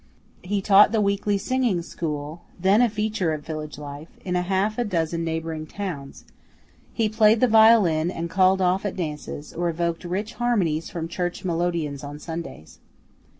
He taught the weekly singing school (then a feature of village life) in half a dozen neighboring towns, he played the violin and "called off" at dances, or evoked rich harmonies from church melodeons on Sundays.